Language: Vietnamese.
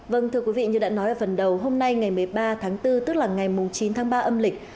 vâng thưa quý vị như đã nói ở phần đầu hôm nay ngày một mươi ba tháng bốn tức là ngày chín tháng ba âm lịch